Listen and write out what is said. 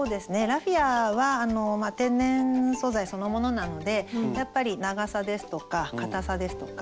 ラフィアは天然素材そのものなのでやっぱり長さですとかかたさですとか